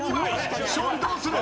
勝利どうする？